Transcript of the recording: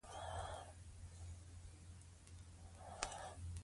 که زه ارامه نه شم، اضطراب به زیات شي.